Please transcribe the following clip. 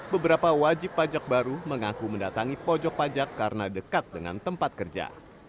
beberapa wajib pajak baru mengaku mendatangi pojok pajak karena dekat dengan tempat kerja